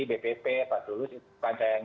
bpp pak tulus itu bukan saya yang